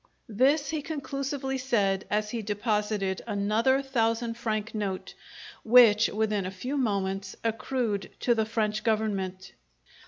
This he conclusively said as he deposited another thousand franc note, which, within a few moments, accrued to the French government.